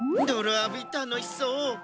どろあびたのしそう。